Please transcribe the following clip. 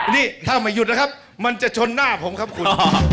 นี่ถ้าไม่หยุดนะครับมันจะชนหน้าผมครับคุณ